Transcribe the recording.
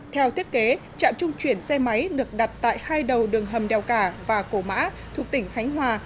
theo thiết kế trạm trung chuyển xe máy được đặt tại hai đầu đường hầm đèo cả và cổ mã thuộc tỉnh khánh hòa